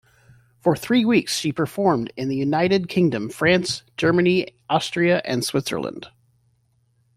For three weeks, she performed in the United Kingdom, France, Germany, Austria and Switzerland.